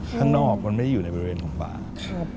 ข้างนอกมันไม่ได้อยู่ในบริเวณของป่า